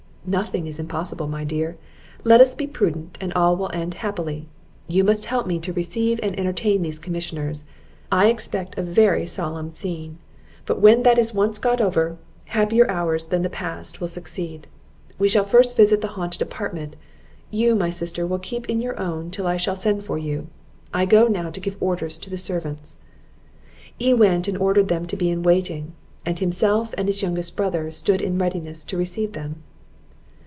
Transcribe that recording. "Nothing is impossible, my dear; let us be prudent, and all will end happily. You must help me to receive and entertain these commissioners. I expect a very solemn scene; but when that is once got over, happier hours than the past will succeed. We shall first visit the haunted apartment; you, my sister, will keep in your own till I shall send for you. I go now to give orders to the servants." He went and ordered them to be in waiting; and himself, and his youngest brother, stood in readiness to receive them.